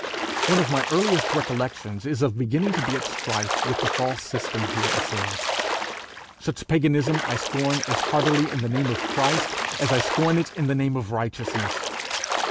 One of my earliest recollections is of beginning to be at strife with the false system here assailed. Such paganism I scorn as heartily in the name of Christ, as I scorn it in the name of righteousness.